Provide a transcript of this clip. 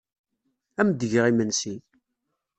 Ad am-d-geɣ imensi.